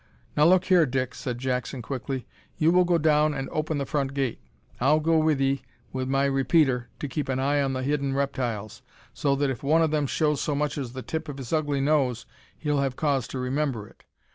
"Now, look here, Dick," said Jackson, quickly, "you will go down and open the front gate. I'll go with 'ee wi' my repeater to keep an eye on the hidden reptiles, so that if one of them shows so much as the tip of his ugly nose he'll have cause to remember it.